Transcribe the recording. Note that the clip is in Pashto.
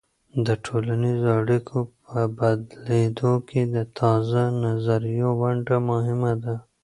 د ټولنیزو اړیکو په بدلیدو کې د تازه نظریو ونډه مهمه ده.